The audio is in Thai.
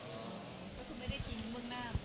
แล้วคุณไม่ได้ทิ้งวงหน้า